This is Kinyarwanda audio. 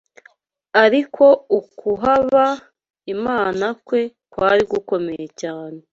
ariko ukubaha Imana kwe kwari gukomeye cyane